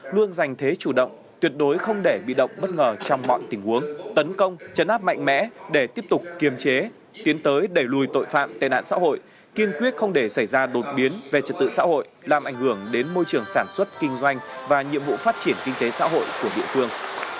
luôn dành thế chủ động tuyệt đối không để bị động bất ngờ trong mọi tình huống tấn công chấn áp mạnh mẽ để tiếp tục kiềm chế tiến tới đẩy lùi tội phạm tên nạn xã hội kiên quyết không để xảy ra đột biến về trật tự xã hội làm ảnh hưởng đến môi trường sản xuất kinh doanh và nhiệm vụ phát triển kinh tế xã hội của địa phương